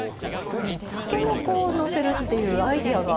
たけのこをのせるっていうアイデアが。